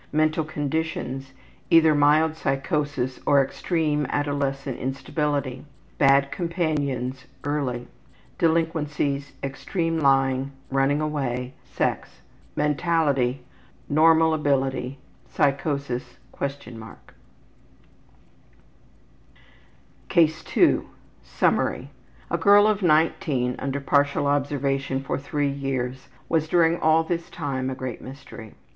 Mental conditions: Either mild psychosis or extreme adolescent instability. Bad companions: Early. Delinquencies: Mentality: Extreme lying. Normal ability. Running away. Psychosis (?). Sex. CASE 2 Summary: A girl of 19, under partial observation for three years, was during all this time a great mystery.